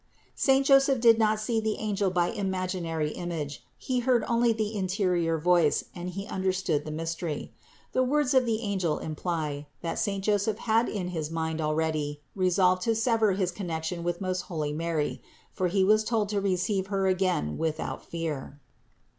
Saint Joseph did not see the angel by imaginary image, he heard only the interior voice and he understood the mystery. The words of the angel imply, that saint Joseph had in his mind already resolved to sever his connection with most holy Mary; for he was told to receive Her again without fear.